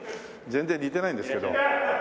全然似てないんですけど。